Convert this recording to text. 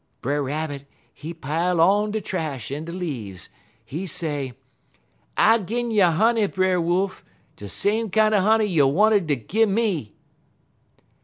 "Brer Rabbit he pile on de trash en de leaves. He say: "'I'll gin you honey, Brer Wolf; de same kinder honey you wanted ter gimme.'